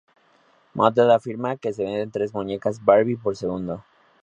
Mattel afirma que se venden tres muñecas Barbie por segundo.